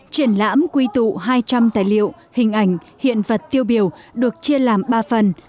triển lãm quy tụ hai trăm linh tài liệu hình ảnh hiện vật tiêu biểu được chia làm ba phần